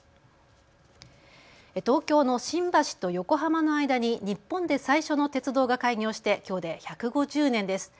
東京の新橋と横浜の間に日本で最初の鉄道が開業してきょうで１５０年です。